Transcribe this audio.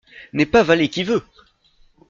N’est pas valet qui veut !